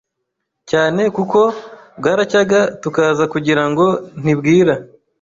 cyane kuko bwaracyaga tukaza kugirango ntibwira